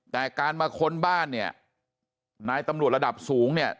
แต่การมาค้นบ้านเนี่ยนายตำรวจระดับสูงเนี่ย